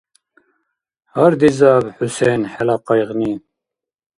Гьардизаб, ХӀусен, хӀела къайгъни!